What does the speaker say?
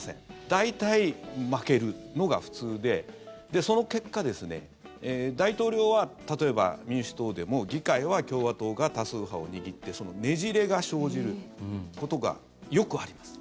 大体、負けるのが普通でその結果、大統領は例えば民主党でも議会は共和党が多数派を握ってねじれが生じることがよくあります。